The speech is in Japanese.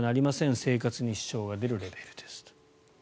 生活に支障が出るレベルですと。